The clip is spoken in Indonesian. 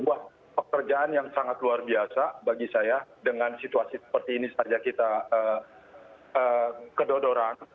sebuah pekerjaan yang sangat luar biasa bagi saya dengan situasi seperti ini saja kita kedodoran